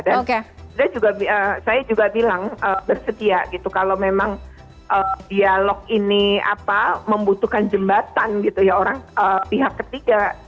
dan saya juga bilang bersetia gitu kalau memang dialog ini apa membutuhkan jembatan gitu ya orang pihak ketiga